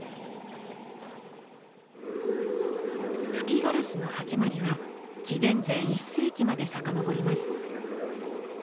吹きガラスの始まりは紀元前１世紀まで遡ります。